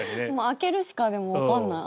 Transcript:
開けるしかでもわかんない。